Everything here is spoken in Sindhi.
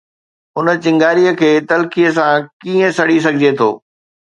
اُن چنگاري کي تلخيءَ سان ڪيئن سڙي سگهجي ٿو؟